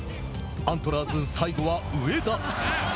アントラーズ、最後は上田。